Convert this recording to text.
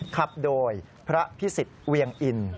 ขับโดยพระพิสิทธิ์เวียงอิน